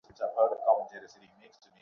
তুমি যোগাযোগ করবে, আন্দাজ করেছিলাম।